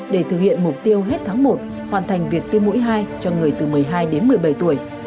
để thực hiện mục tiêu hết tháng một hoàn thành việc tiêm mũi hai cho người từ một mươi hai đến một mươi bảy tuổi